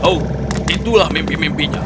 oh itulah mimpi mimpinya